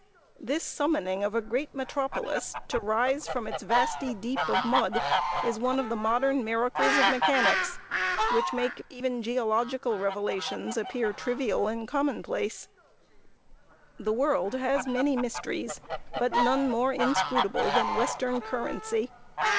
This summoning a great metropolis to rise from its vasty deep of mud, is one of the modern miracles of mechanics, which make even geological revelations appear trivial and common place. [Sidenote: MYSTERIES OF WESTERN CURRENCY.] The world has many mysteries, but none more inscrutable than Western Currency.